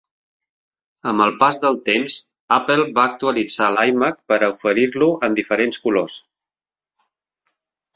Amb el pas del temps Apple va actualitzar l'iMac per a oferir-lo en diferents colors.